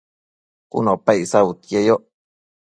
cun opa icsabudquieyoc